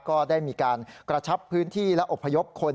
ก็ได้มีการกระชับพื้นที่และอบพยพคน